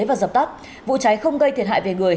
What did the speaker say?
và dập tắt vụ cháy không gây thiệt hại về người